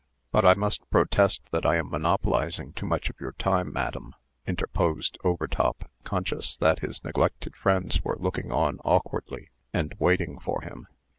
"But I must protest that I am monopolizing too much of your time, madam," interposed Overtop, conscious that his neglected friends were looking on awkwardly, and waiting for him.